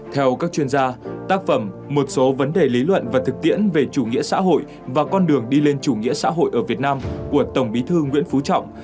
theo các chuyên gia tác phẩm một số vấn đề lý luận và thực tiễn về chủ nghĩa xã hội và con đường đi lên chủ nghĩa xã hội ở việt nam của tổng bí thư nguyễn phú trọng